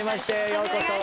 ようこそ。